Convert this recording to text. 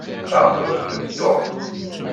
Ɛqlemt-d Tom.